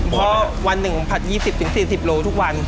เพราะวันหนึ่งผัด๒๐๔๐โลทุกวัน